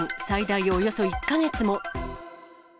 最大およそ１か月も。